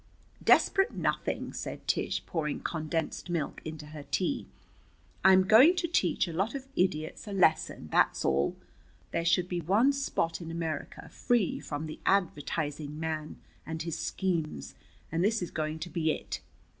"Desperate nothing!" said Tish, pouring condensed milk into her tea. "I am going to teach a lot of idiots a lesson, that's all. There should be one spot in America free from the advertising man and his schemes, and this is going to be it.